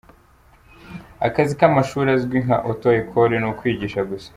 Akazi k’amashuri azwi nka Auto-ecole ni ukwigisha gusa.